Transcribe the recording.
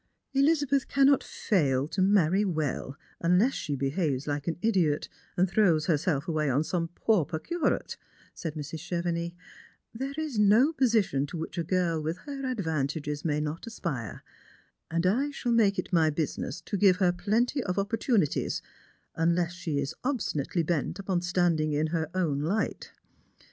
" Elizabeth cannot fail to marry well, unless she behaves like an idiot, and throws herself away upon some pauper curate," said Mrs. Chevenix :" there is no position to which a girl with her advantages may not aspire — and I shall make it my business so give her plenty of opportunities — unless she is ob stinately bent upon standing in her own light.